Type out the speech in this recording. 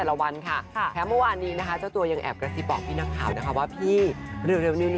แล้วก็แฮปปี้มากสำหรับปีนี้